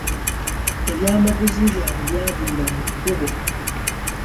Ebyamaguzi byabwe byabulira mu kkubo.